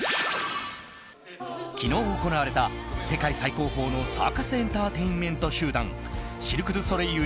昨日、行われた世界最高峰のサーカス・エンターテインメント集団シルク・ドゥ・ソレイユ